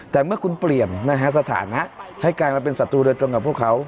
แต่เมื่อคุณเปลี่ยนสถานะให้กลายมาเป็นศัตรูโดยตรงกับพวกเขา